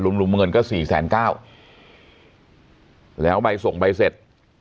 ลุงลุมเงินก็๔แสน๙บาทแล้วใบส่งใบเสร็จ